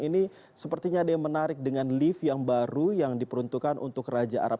ini sepertinya ada yang menarik dengan lift yang baru yang diperuntukkan untuk raja arab